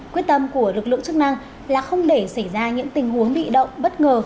quyết tâm của lực lượng chức năng là không để xảy ra những tình huống bị động bất ngờ